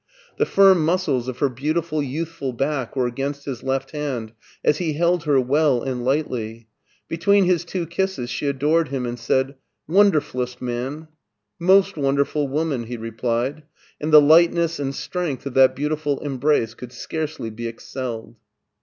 The firm muscles of her beautiful youthful back were against his left hand, as he held her well and lightly. Be tween his two kisses she adored him, and said :" Wonderf uUest man !"" Most wonderful woman," he replied, and the lightness and strength of that beautiful embrace could scarcely be excelled.